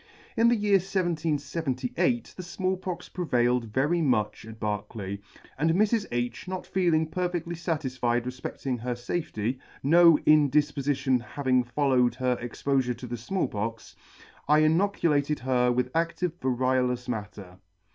In the year 1778 the Small Pox prevailed very much at Berkeley, and Mrs. H not feeling perfectly fatisfied re flecting her fafety (no indifpofltion having followed her ex pofure to the Small Pox) I inoculated her with adtive variolous matter.